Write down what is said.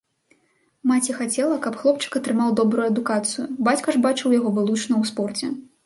Маці хацела, каб хлопчык атрымаў добрую адукацыю, бацька ж бачыў яго вылучна ў спорце.